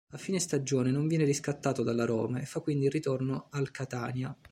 A fine stagione non viene riscattato dalla Roma e fa quindi ritorno al Catania.